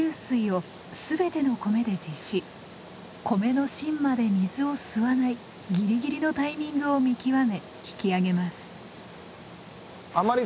米の芯まで水を吸わないギリギリのタイミングを見極め引き上げます。